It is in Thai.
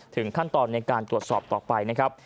ขั้นตอนในการตรวจสอบต่อไปนะครับ